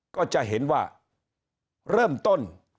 ก็จะเห็นว่าเริ่มต้น